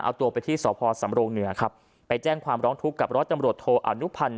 เอาตัวไปที่สพสำรงเหนือครับไปแจ้งความร้องทุกข์กับร้อยตำรวจโทอนุพันธ์